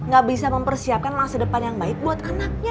gak bisa mempersiapkan masa depan yang baik buat anaknya